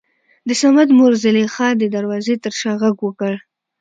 دصمد مور زليخا دې دروازې تر شا غږ وکړ.